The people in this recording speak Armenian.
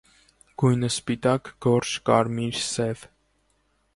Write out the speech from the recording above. Գույնը՝ սպիտակ, գորշ, կարմիր, սև։